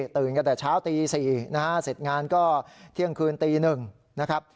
ตื่นกันแต่เช้าตี๔นะฮะเสร็จงานก็เที่ยงคืนตี๑นะครับ